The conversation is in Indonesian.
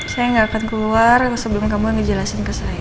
saya nggak akan keluar sebelum kamu ngejelasin ke saya